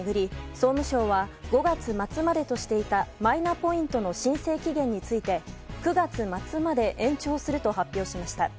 総務省は５月末までとしていたマイナポイントの申請期限について９月末まで延長すると発表しました。